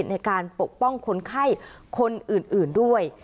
ในการปกป้องคนไข้คนอื่นด้วย